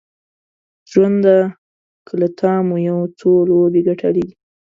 ژونده که له تانه مو یو څو لوبې ګټلې دي